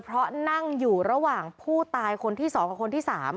เพราะนั่งอยู่ระหว่างผู้ตายคนที่๒กับคนที่๓